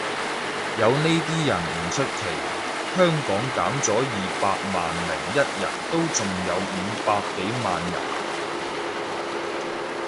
有呢啲人唔出奇，香港減咗二百萬零一人都仲有五百幾萬人